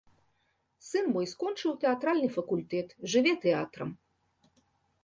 Сын мой скончыў тэатральны факультэт, жыве тэатрам.